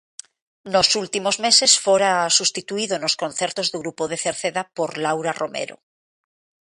Nos últimos meses fora substituído nos concertos do grupo de Cerceda por Laura Romero.